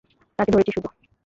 তাকে ধরেছি শুধু।